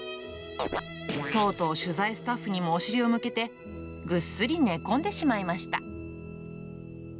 とうとう取材スタッフにもお尻を向けて、ぐっすり寝込んでしまいました。